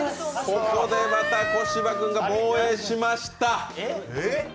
ここでまた小柴君が防衛しました。